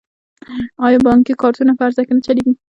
آیا بانکي کارتونه په هر ځای کې نه چلیږي؟